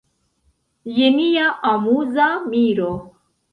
Je nia amuza miro!